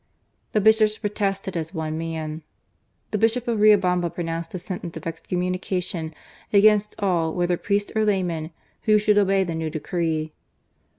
The Bishops protested as pne man. The Bishop of Riobamba pronounced a sentence of excommunication against all whether priests or laymen who should obey the new decree.